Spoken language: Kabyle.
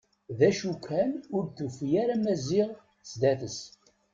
D acu kan ur d-tufi ara Maziɣ sdat-s.